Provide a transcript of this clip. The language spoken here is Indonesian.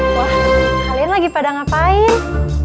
wah kalian lagi pada ngapain